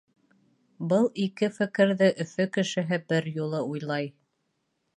Был ике фекерҙе Өфө кешеһе бер юлы уйлай.